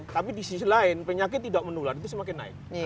tapi di sisi lain penyakit tidak menular itu semakin naik